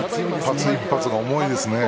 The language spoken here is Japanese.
一発一発が重いですね。